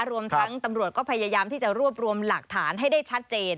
รวมทั้งตำรวจก็พยายามที่จะรวบรวมหลักฐานให้ได้ชัดเจน